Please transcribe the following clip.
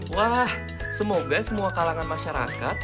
wah semoga semua kalangan masyarakat